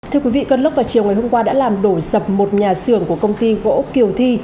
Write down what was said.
thưa quý vị cơn lốc vào chiều ngày hôm qua đã làm đổ sập một nhà xưởng của công ty gỗ kiều thi